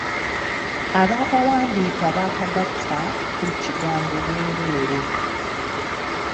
Abaakawandiika baakagatta ku kigambo 'bwereere.'